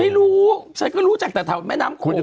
ไม่รู้แต่ฉันรู้จากมาตลอดแม้น้ำโขโขไป